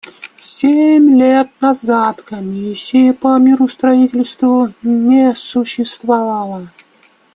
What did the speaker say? Семь лет назад Комиссии по миростроительству не существовало.